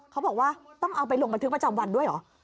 เขาบอกว่าต้องเอาไปลงบันทึกประจำวันด้วยเหรอ